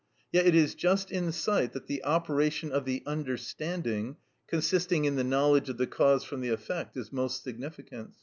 Yet it is just in sight that the operation of the understanding, consisting in the knowledge of the cause from the effect, is most significant.